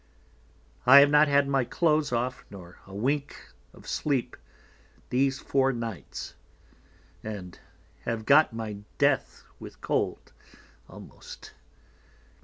I have not had my Cloaths off, nor a wink of Sleep these four Nights, and have got my Death with cold almost.